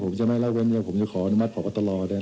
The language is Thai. ผมจะไม่รับเว้นเว้นผมจะขออนุมัติพอปฏราเนี่ย